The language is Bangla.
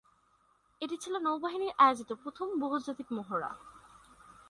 এটি ছিল নৌবাহিনীর আয়োজিত প্রথম বহুজাতিক মহড়া।